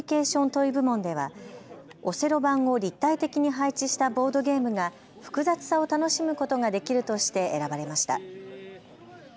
・トイ部門ではオセロ盤を立体的に配置したボードゲームが複雑さを楽しむことができるとして選ばれました。